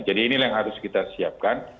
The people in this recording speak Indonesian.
jadi inilah yang harus kita siapkan